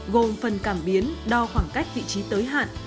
gồm phần cảm biến đo khoảng cách vị trí tới hạn